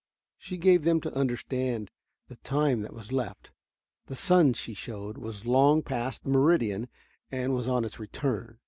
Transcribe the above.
She gave them to understand the time that was left. The sun, she showed, was long past the meridian and was on its return.